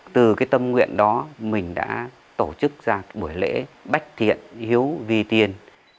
từ cái tâm nguyện đó mình đã tổ chức ra buổi lễ bách thiện hiếu vi tiên